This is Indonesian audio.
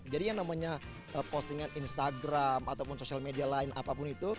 jadi yang namanya postingan instagram ataupun social media lain apapun itu